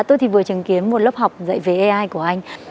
tôi thì vừa chứng kiến một lớp học dạy về ai của anh